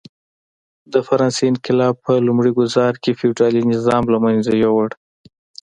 د فرانسې انقلاب په لومړي ګوزار کې فیوډالي نظام له منځه یووړ.